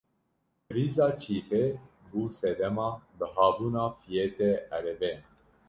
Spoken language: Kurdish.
Krîza çîpê bû sedema bihabûna fiyetê erebeyan.